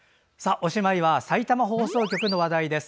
おしまいはさいたま放送局の話題です。